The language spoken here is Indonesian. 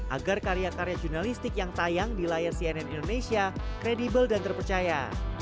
agar karya karya jurnalistik yang tayang di layar cnn indonesia kredibel dan terpercaya